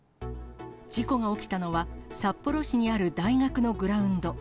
事故が起きたのは、札幌市にある大学のグラウンド。